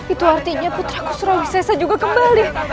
itu artinya putraku surawi sesa juga kembali